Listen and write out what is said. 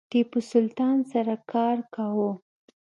ټیپو سلطان سره کار کاوه.